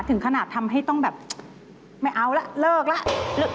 ถึงขนาดทำให้ต้องแบบไม่เอาแล้วเลิกแล้ว